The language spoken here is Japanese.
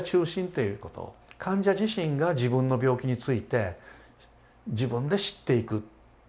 患者自身が自分の病気について自分で知っていく。